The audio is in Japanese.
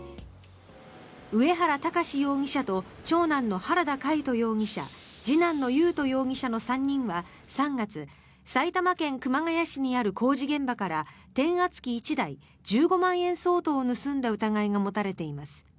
上原巌容疑者と長男の原田魁斗容疑者次男の優斗容疑者の３人は３月埼玉県熊谷市にある工事現場から転圧機１台、１５万円相当を盗んだ疑いが持たれています。